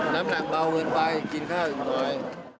น้ำหนักเบาเกินไปกินข้าวอีกหน่อย